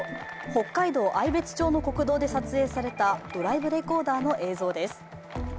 北海道愛別町の国道で撮影されたドライブレコーダーの映像です。